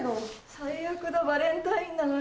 最悪だバレンタインなのに。